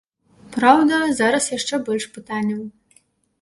Праўда, зараз яшчэ больш пытанняў.